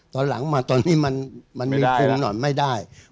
ตอนหลังมาตอนนี้มันมีคุมหน่อยไม่ได้